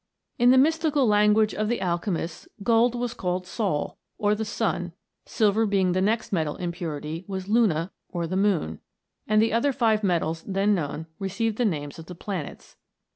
In the mystical language of the al chemists gold was called Sol, or the sun j silver, being the next metal in purity, was Luna, or the moon ; and the other five metals then known re ceived the names of the planets.